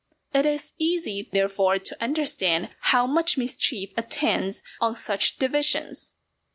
337 It is easy, therefore, to understand how much mischief attends on such divisions.